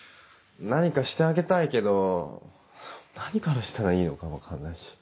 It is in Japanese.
何かしてあげたいけど何からしたらいいのか分かんないし。